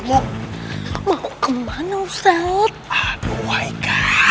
mau kemana ustadz